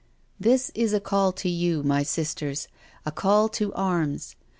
This is a call to you, my sisters — 2l call to arms.